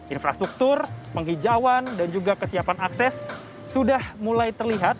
infrastruktur penghijauan dan juga kesiapan akses sudah mulai terlihat